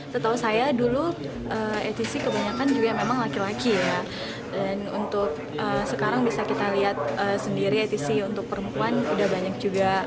setahu saya dulu atc kebanyakan juga memang laki laki ya dan untuk sekarang bisa kita lihat sendiri atc untuk perempuan udah banyak juga